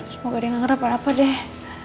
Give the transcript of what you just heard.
semoga dia gak ngerap apa apa deh